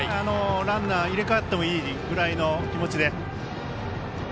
ランナー、入れ代わってもいいぐらいの気持ちで。